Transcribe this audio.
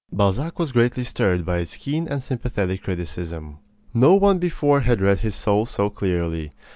Balzac was greatly stirred by its keen and sympathetic criticism. No one before had read his soul so clearly.